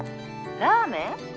ラーメン？